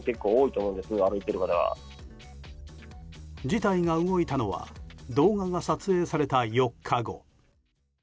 事態が動いたのは動画が撮影された４日後。